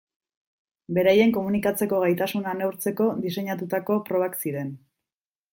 Beraien komunikatzeko gaitasuna neurtzeko diseinatutako probak ziren.